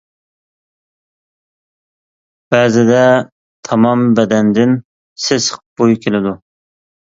بەزىدە تامام بەدەندىن سېسىق بۇي كېلىدۇ.